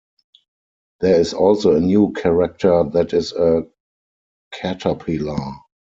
There is also a new character that is a caterpillar.